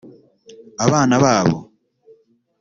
Abana babo